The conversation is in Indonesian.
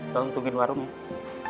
tolong tungguin warung ya